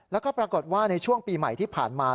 แล้วก็ปรากฏว่าในช่วงปีใหม่ที่ผ่านมา